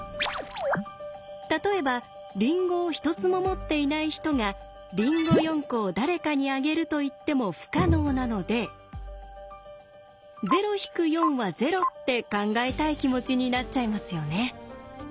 例えばりんごを一つも持っていない人が「りんご４個を誰かにあげる」と言っても不可能なのでって考えたい気持ちになっちゃいますよね。